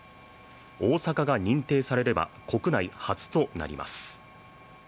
大阪が認定されれば国内初となります。